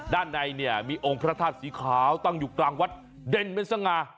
ด้านในเนี่ยมีองค์พระธาตุสีขาวตั้งอยู่กลางวัดเด่นเป็นสง่า